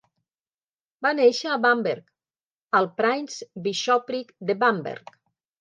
Va néixer a Bamberg, al Prince-Bishopric de Bamberg.